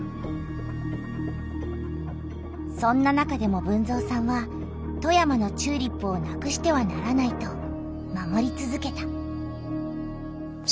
そんな中でも豊造さんは富山のチューリップをなくしてはならないと守りつづけた。